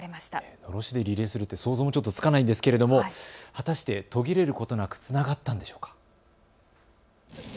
のろしでリレーって想像ちょっとつかないんですけれども果たして途切れることなくつながったんでしょうか。